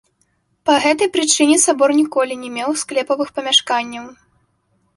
Па гэтай прычыне сабор ніколі не меў склепавых памяшканняў.